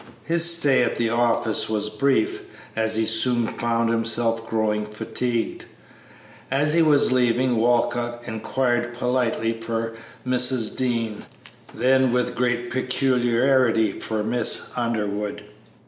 His stay at the office was brief, as he soon found himself growing fatigued. As he was leaving Walcott inquired politely for Mrs. Dean, then with great particularity for Miss Underwood.